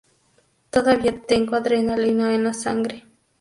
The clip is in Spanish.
Todavía tengo adrenalina en la sangre.